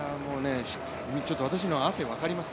私の汗、分かります？